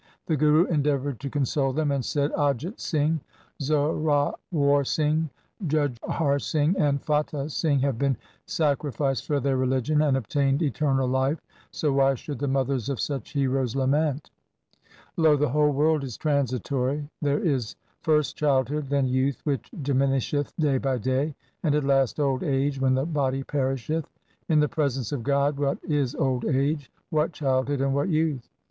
The Guru endeavoured to console them, and said, ' Ajit Singh, Zorawar Singh, Jujhar Singh, and Fatah Singh have been sacrificed for their religion and obtained eternal life, so why should the mothers of such heroes lament ? Lo ! the whole world is 220 THE SIKH RELIGION transitory. There is first childhood, then youth which diminisheth day by day, and at last old age, when the body perisheth. In the presence of God what is old age, what childhood, and what youth